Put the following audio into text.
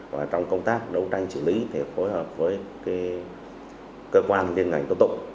và trong công tác đấu tranh xử lý thì phối hợp với cơ quan liên ngành tố tụng